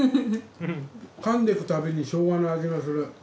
噛んでくたびにショウガの味がする。